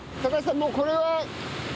もうこれは。